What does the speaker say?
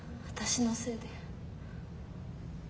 私のせいで。